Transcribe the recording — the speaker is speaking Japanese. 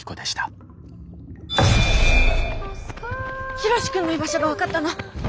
ヒロシ君の居場所が分かったの。